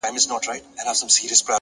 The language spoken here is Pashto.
د سوځېدلو لرگو زور خو له هندو سره وي’